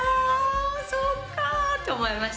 そっかって思いました。